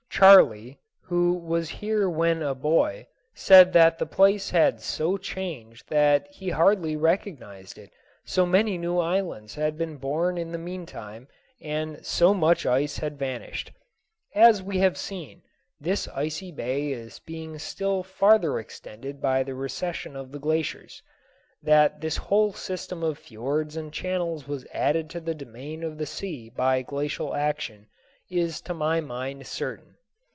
Charley, who was here when a boy, said that the place had so changed that he hardly recognized it, so many new islands had been born in the mean time and so much ice had vanished. As we have seen, this Icy Bay is being still farther extended by the recession of the glaciers. That this whole system of fiords and channels was added to the domain of the sea by glacial action is to my mind certain.